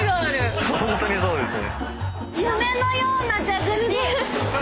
ホントにそうですね。